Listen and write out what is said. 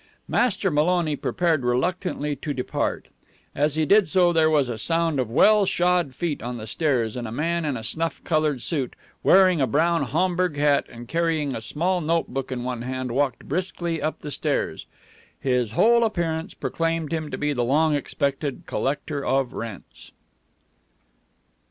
Master Maloney prepared reluctantly to depart. As he did so there was a sound of well shod feet on the stairs, and a man in a snuff colored suit, wearing a brown Homburg hat and carrying a small notebook in one hand, walked briskly up the stairs. His whole appearance proclaimed him to be the long expected collector of rents.